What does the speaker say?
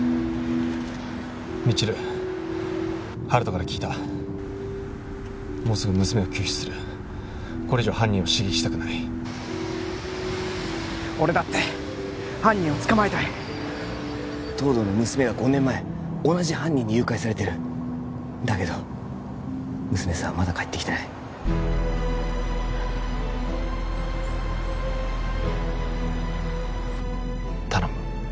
未知留温人から聞いたもうすぐ娘を救出するこれ以上犯人を刺激したくない俺だって犯人を捕まえたい東堂の娘は５年前同じ犯人に誘拐されてるだけど娘さんはまだ帰ってきてない頼む